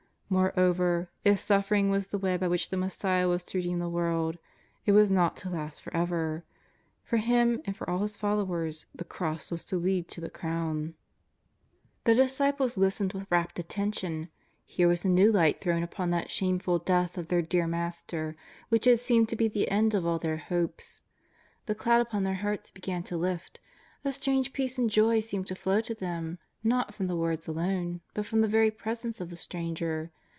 Moreover, if suffering was the way by which the Messiah was to redeem the world, it was not to last for ever. For Him and for all His followers the cross was to lead to the crown. JESUS OF NAZARETH. 381 The disciples listened with rapt attention. Here was a new light thrown upon that shameful death of their dear Master which had seemed to be the end of all their hopes. The cloud upon their hearts began to lift. A strange peace and joy seemed to flow to them, not from the words alone, but from the very Presence of the Stranger.